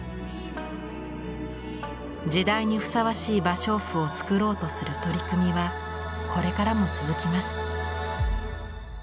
時代にふさわしい芭蕉布を作ろうとする取り組みはこれからも続きます。